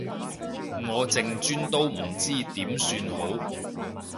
我淨專都唔知點算好